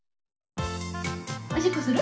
おしっこする？